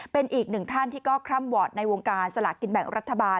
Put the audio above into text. เป็นอีกหนึ่งท่านที่ก็คล่ำวอร์ดในวงการสลากกินแบ่งรัฐบาล